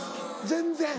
全然。